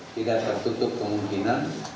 tidak tertutup kemungkinan